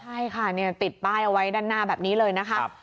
ใช่ค่ะติดป้ายเอาไว้ด้านหน้าแบบนี้เลยนะคะ